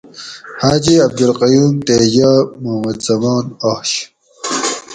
حاجی عبدالقیوم تے یہ (محمد زمان) آش